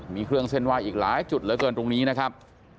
มีเครื่องเส้นไหว้อีกหลายจุดเหลือเกินตรงนี้นะครับ